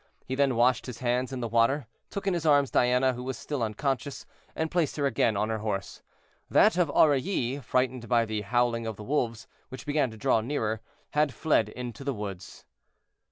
He then washed his hands in the water, took in his arms Diana, who was still unconscious, and placed her again on her horse. That of Aurilly, frightened by the howling of the wolves, which began to draw nearer, had fled into the woods.